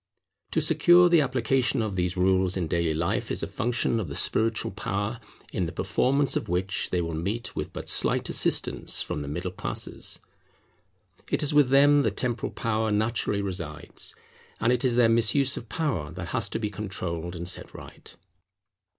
To secure the application of these rules in daily life is a function of the spiritual power in the performance of which they will meet with but slight assistance from the middle classes. It is with them that temporal power naturally resides, and it is their misuse of power that has to be controlled and set right.